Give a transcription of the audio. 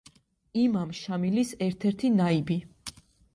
იმამ შამილის ერთ-ერთი ნაიბი.